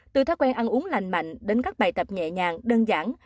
từ thói quen ăn uống lành mạnh đến các bài tập nhẹ nhàng đơn giản